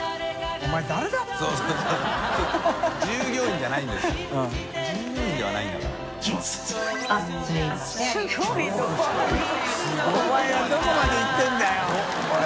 お前はどこまで行ってるんだよ。